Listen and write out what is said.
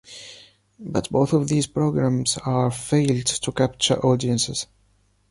But both of these programs are failed to capture audiences.